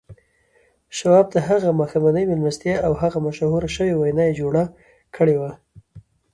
شواب ته هغه ماښامنۍ مېلمستیا او هغه مشهوره شوې وينا يې جوړه کړې وه.